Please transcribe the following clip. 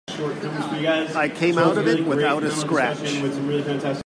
I came out of it without a scratch.